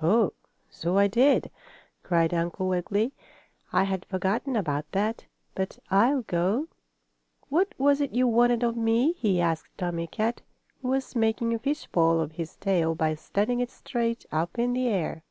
"Oh, so I did!" cried Uncle Wiggily. "I had forgotten about that. But I'll go. What was it you wanted of me?" he asked Tommie Kat, who was making a fishpole of his tail by standing it straight up in the air.